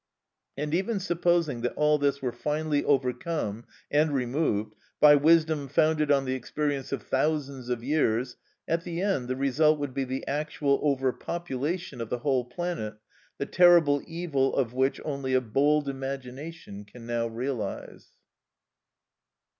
And even supposing that all this were finally overcome and removed, by wisdom founded on the experience of thousands of years, at the end the result would be the actual over population of the whole planet, the terrible evil of which only a bold imagination can now realise.